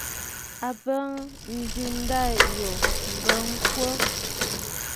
A bɔŋ ǹdɨ̀ʼɨ ndâ yò m̀bɔŋ kwo.